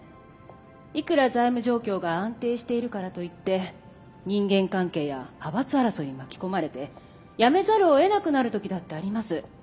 いくら財務状況が安定しているからといって人間関係や派閥争いに巻き込まれて辞めざるをえなくなる時だってあります。